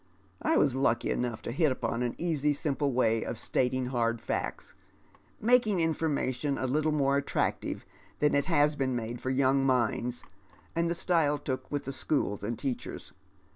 I was lucky enough to liit upon an ensv simple way of stating hard facts — making information a littl more attractive than it has been made for young minds, and the style took with the schools and teachers.